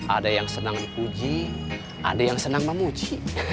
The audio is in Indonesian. ada yang senang dipuji ada yang senang memuji